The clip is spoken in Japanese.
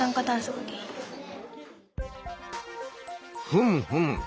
ふむふむ。